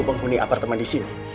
pak tata serventating friend